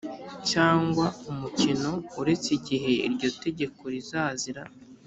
cyangwa umukino uretse igihe iryo tegeko rizazira